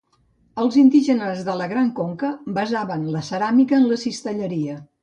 Els indígenes de la Gran Conca basaven la ceràmica en la cistelleria.